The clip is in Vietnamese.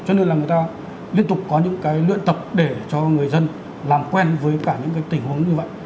cho nên là người ta liên tục có những cái luyện tập để cho người dân làm quen với cả những cái tình huống như vậy